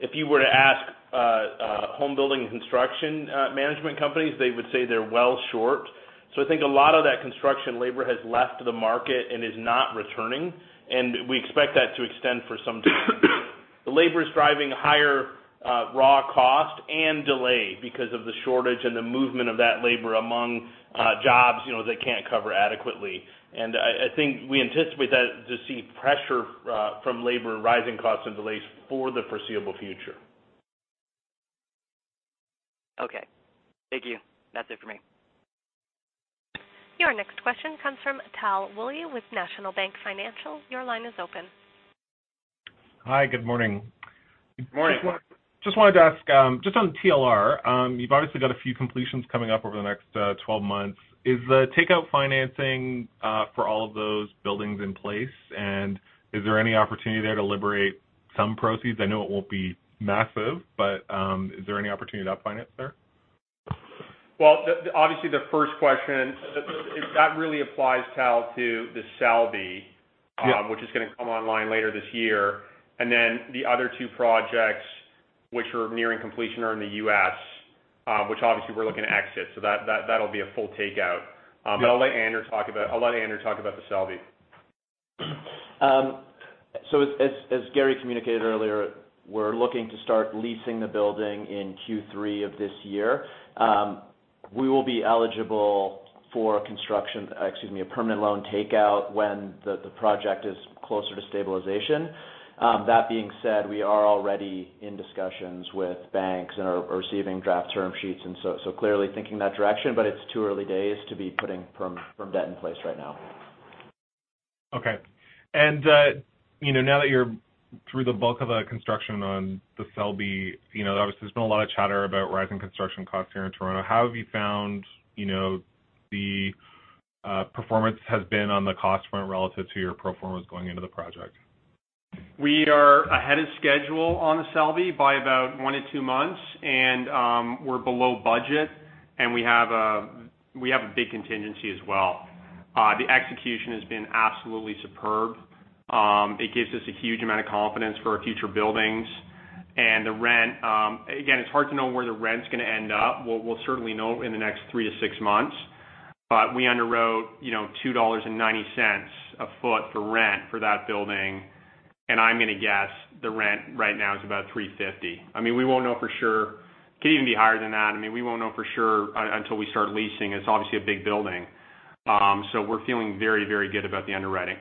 If you were to ask home building and construction management companies, they would say they're well short. I think a lot of that construction labor has left the market and is not returning, and we expect that to extend for some time. The labor is driving higher raw cost and delay because of the shortage and the movement of that labor among jobs that can't cover adequately. I think we anticipate to see pressure from labor rising costs and delays for the foreseeable future. Okay. Thank you. That's it for me. Your next question comes from Tal Woolley with National Bank Financial. Your line is open. Hi. Good morning. Good morning. Just wanted to ask just on TLR, you've obviously got a few completions coming up over the next 12 months. Is the takeout financing for all of those buildings in place? Is there any opportunity there to liberate some proceeds? I know it won't be massive, but is there any opportunity to finance there? Well, obviously, the first question, that really applies, Tal, to The Selby. Yeah which is going to come online later this year. The other two projects which are nearing completion are in the U.S., which obviously we're looking to exit. That'll be a full takeout. Yeah. I'll let Andrew talk about The Selby. As Gary communicated earlier, we're looking to start leasing the building in Q3 of this year. We will be eligible for a permanent loan takeout when the project is closer to stabilization. That being said, we are already in discussions with banks and are receiving draft term sheets, clearly thinking that direction, but it's too early days to be putting firm debt in place right now. Okay. Now that you're through the bulk of the construction on The Selby, obviously, there's been a lot of chatter about rising construction costs here in Toronto. How have you found the performance has been on the cost front relative to your pro formas going into the project? We are ahead of schedule on The Selby by about one to two months, we're below budget, we have a big contingency as well. The execution has been absolutely superb. It gives us a huge amount of confidence for our future buildings. The rent, again, it's hard to know where the rent's going to end up. We'll certainly know in the next three to six months. We underwrote 2.90 dollars a foot for rent for that building, I'm going to guess the rent right now is about 3.50. It could even be higher than that. We won't know for sure until we start leasing. It's obviously a big building. We're feeling very good about the underwriting.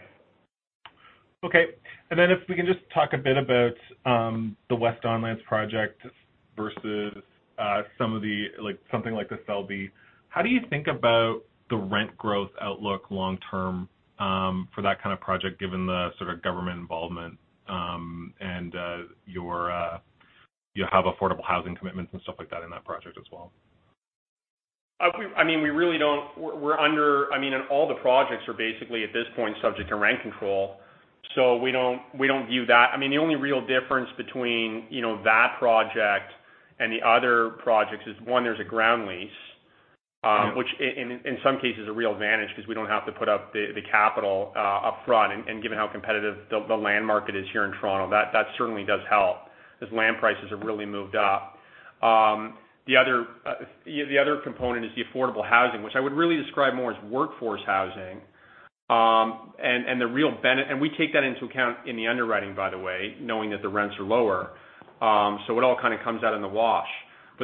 Okay. If we can just talk a bit about the West Don Lands project versus something like The Selby. How do you think about the rent growth outlook long term for that kind of project, given the sort of government involvement and you have affordable housing commitments and stuff like that in that project as well? All the projects are basically at this point subject to rent control. We don't view that. The only real difference between that project and the other projects is, one, there's a ground lease- Yeah which in some cases a real advantage because we don't have to put up the capital upfront. Given how competitive the land market is here in Toronto, that certainly does help as land prices have really moved up. The other component is the affordable housing, which I would really describe more as workforce housing. We take that into account in the underwriting, by the way, knowing that the rents are lower. It all kind of comes out in the wash.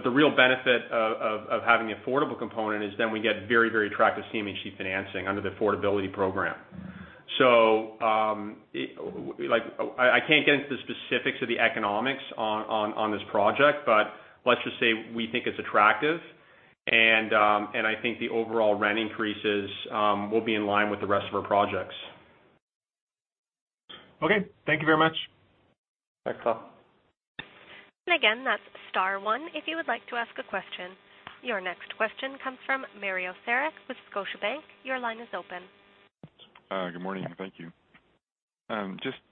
The real benefit of having the affordable component is then we get very, very attractive CMHC financing under the affordability program. I can't get into the specifics of the economics on this project. Let's just say we think it's attractive and I think the overall rent increases will be in line with the rest of our projects. Okay. Thank you very much. Thanks, Tal. Again, that's star one if you would like to ask a question. Your next question comes from Mario Saric with Scotiabank. Your line is open. Good morning. Thank you.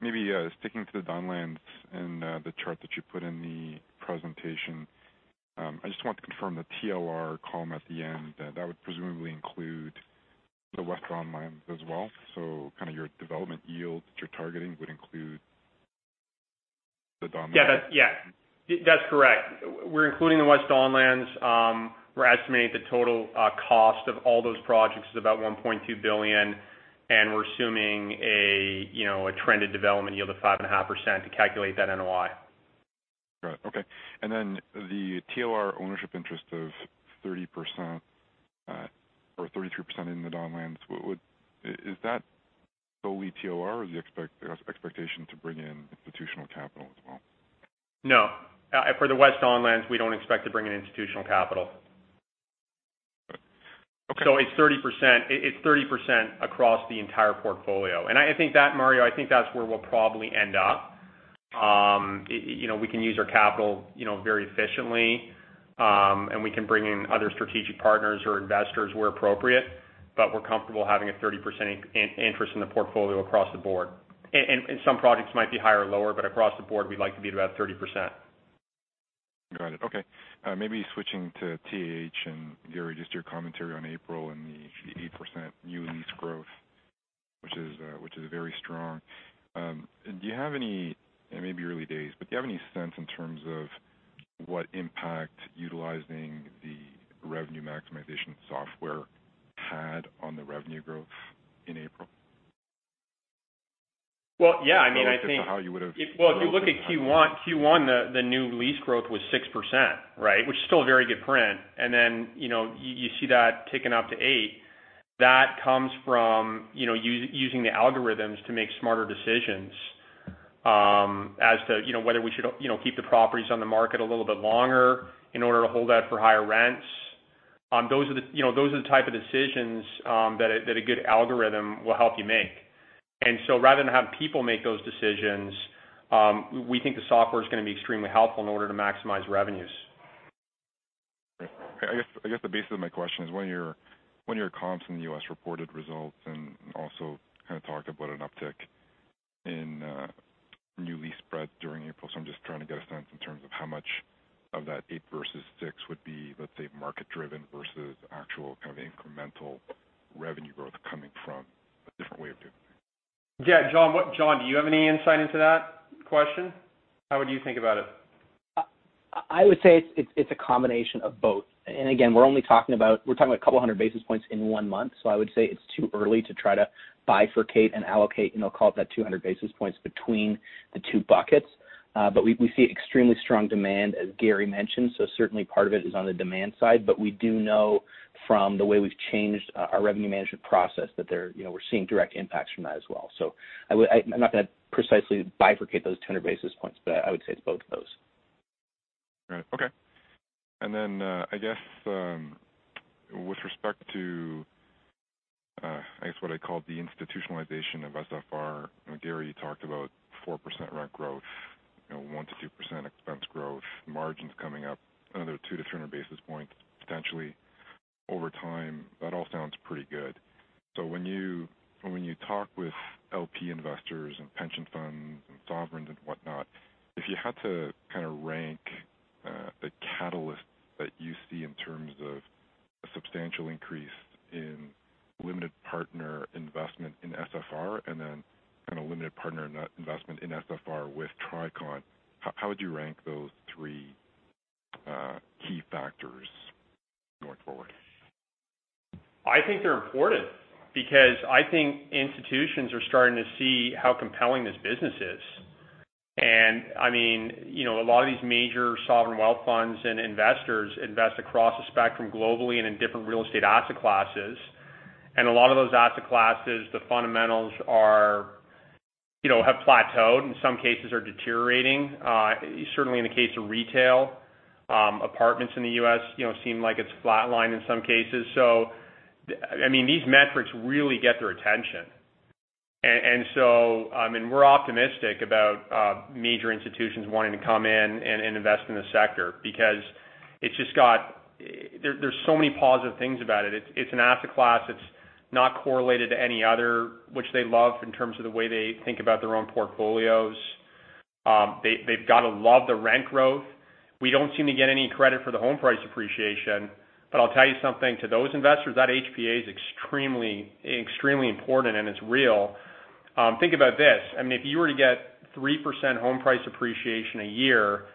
Maybe sticking to the Don Lands and the chart that you put in the presentation. I just wanted to confirm the TLR column at the end, that would presumably include the West Don Lands as well. Kind of your development yield that you're targeting would include the Don Lands. Yeah. That's correct. We're including the West Don Lands. We're estimating the total cost of all those projects is about $1.2 billion, and we're assuming a trended development yield of 5.5% to calculate that NOI. Right. Okay. The TLR ownership interest of 30% or 33% in the Don Lands, is that solely TLR or is the expectation to bring in institutional capital as well? No. For the West Don Lands, we don't expect to bring in institutional capital. Okay. It's 30% across the entire portfolio. I think that, Mario, I think that's where we'll probably end up. We can use our capital very efficiently, and we can bring in other strategic partners or investors where appropriate. We're comfortable having a 30% interest in the portfolio across the board. Some projects might be higher or lower, but across the board, we'd like to be at about 30%. Got it. Okay. Maybe switching to TH and Gary, just your commentary on April and the 8% new lease growth, which is very strong. Do you have any, it may be early days, but do you have any sense in terms of what impact utilizing the revenue maximization software had on the revenue growth in April? Well, yeah. Relative to how you would've- Well, if you look at Q1, the new lease growth was 6%, right? Which is still a very good print. You see that ticking up to 8%. That comes from using the algorithms to make smarter decisions as to whether we should keep the properties on the market a little bit longer in order to hold out for higher rents. Those are the type of decisions that a good algorithm will help you make. Rather than have people make those decisions, we think the software's going to be extremely helpful in order to maximize revenues. Great. I guess the basis of my question is, one of your comps in the U.S. reported results and also kind of talked about an uptick in new lease spread during April. I'm just trying to get a sense in terms of how much of that 8% versus 6% would be, let's say, market-driven versus actual kind of incremental revenue growth coming from a different way of doing things. Yeah. John, do you have any insight into that question? How would you think about it? I would say it's a combination of both. Again, we're talking about a couple of hundred basis points in 1 month. I would say it's too early to try to bifurcate and allocate, call it that, 200 basis points between the two buckets. We see extremely strong demand, as Gary mentioned. Certainly part of it is on the demand side, but we do know from the way we've changed our revenue management process, that we're seeing direct impacts from that as well. I'm not going to precisely bifurcate those 200 basis points, but I would say it's both of those. Got it. Okay. I guess with respect to what I call the institutionalization of SFR. Gary, you talked about 4% rent growth, 1%-2% expense growth, margins coming up another 200 to 300 basis points potentially over time. That all sounds pretty good. When you talk with LP investors and pension funds and sovereigns and whatnot, if you had to kind of rank the catalyst that you see in terms of a substantial increase in limited partner investment in SFR, and then kind of limited partner investment in SFR with Tricon, how would you rank those three key factors going forward? I think they're important because I think institutions are starting to see how compelling this business is. A lot of these major sovereign wealth funds and investors invest across the spectrum globally and in different real estate asset classes. A lot of those asset classes, the fundamentals have plateaued, in some cases are deteriorating. Certainly in the case of retail. Apartments in the U.S. seem like it's flat-lined in some cases. These metrics really get their attention. We're optimistic about major institutions wanting to come in and invest in the sector because there's so many positive things about it. It's an asset class that's not correlated to any other, which they love in terms of the way they think about their own portfolios. They've got to love the rent growth. We don't seem to get any credit for the home price appreciation, but I'll tell you something, to those investors, that HPA is extremely important and it's real. Think about this. If you were to get 3% home price appreciation a year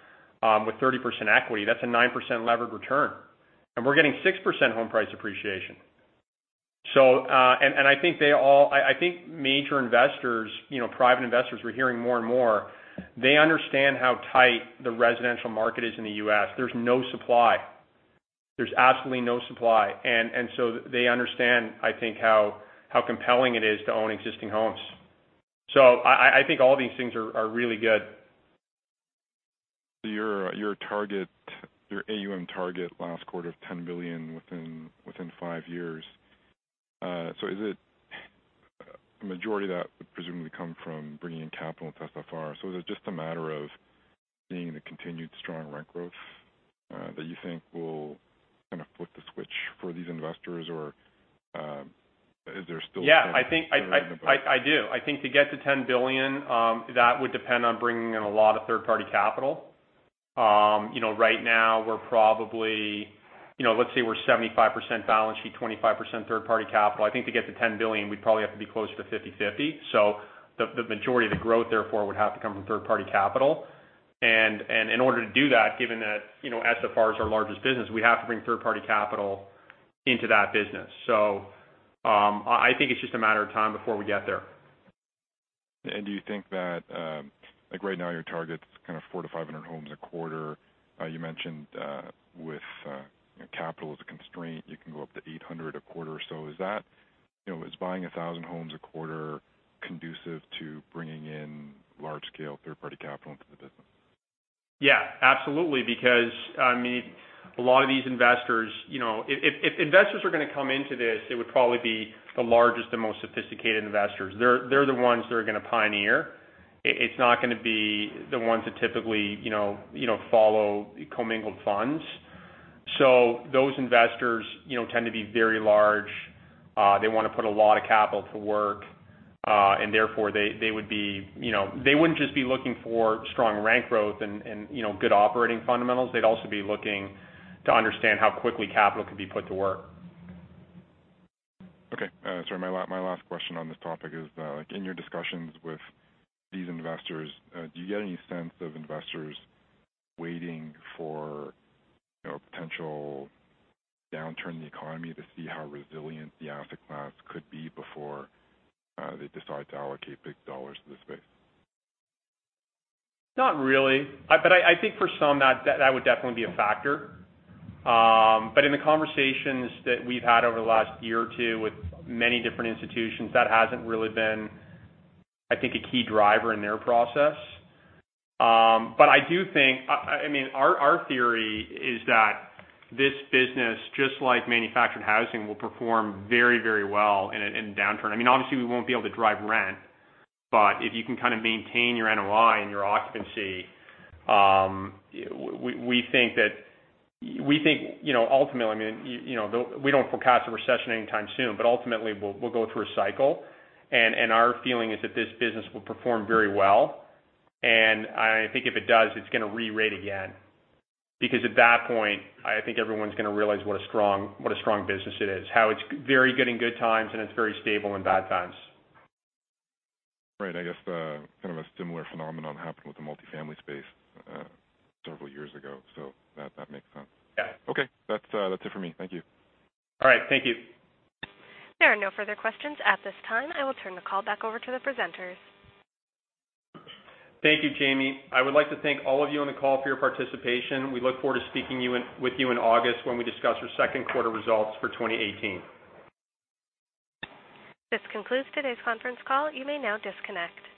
with 30% equity, that's a 9% levered return, and we're getting 6% home price appreciation. I think major investors, private investors, we're hearing more and more, they understand how tight the residential market is in the U.S. There's no supply. There's absolutely no supply. They understand, I think, how compelling it is to own existing homes. I think all these things are really good. Your AUM target last quarter of $10 billion within five years. Is it majority of that would presumably come from bringing in capital into SFR? Is it just a matter of being in a continued strong rent growth that you think will kind of flip the switch for these investors, or is there still- Yeah. I do. I think to get to 10 billion, that would depend on bringing in a lot of third-party capital. Right now, let's say we're 75% balance sheet, 25% third-party capital. I think to get to 10 billion, we'd probably have to be closer to 50/50. The majority of the growth therefore would have to come from third-party capital. In order to do that, given that SFR is our largest business, we have to bring third-party capital into that business. I think it's just a matter of time before we get there. Do you think that, like right now your target's kind of 400-500 homes a quarter. You mentioned with capital as a constraint, you can go up to 800 a quarter or so. Is buying 1,000 homes a quarter conducive to bringing in large-scale third-party capital into the business? Yeah, absolutely. If investors are going to come into this, it would probably be the largest and most sophisticated investors. They're the ones that are going to pioneer. It's not going to be the ones that typically follow commingled funds. Those investors tend to be very large. They want to put a lot of capital to work, and therefore they wouldn't just be looking for strong rent growth and good operating fundamentals. They'd also be looking to understand how quickly capital could be put to work. Okay. Sorry, my last question on this topic is, in your discussions with these investors, do you get any sense of investors waiting for potential downturn in the economy to see how resilient the asset class could be before they decide to allocate big dollars to the space? Not really. I think for some that would definitely be a factor. In the conversations that we've had over the last year or two with many different institutions, that hasn't really been, I think, a key driver in their process. I mean, our theory is that this business, just like manufactured housing, will perform very well in a downturn. Obviously, we won't be able to drive rent, but if you can kind of maintain your NOI and your occupancy, we think ultimately, we don't forecast a recession anytime soon, but ultimately, we'll go through a cycle, and our feeling is that this business will perform very well. I think if it does, it's going to rerate again. At that point, I think everyone's going to realize what a strong business it is, how it's very good in good times, and it's very stable in bad times. Right. I guess kind of a similar phenomenon happened with the multifamily space several years ago. That makes sense. Yeah. Okay. That's it for me. Thank you. All right. Thank you. There are no further questions at this time. I will turn the call back over to the presenters. Thank you, Jamie. I would like to thank all of you on the call for your participation. We look forward to speaking with you in August when we discuss our second quarter results for 2018. This concludes today's conference call. You may now disconnect.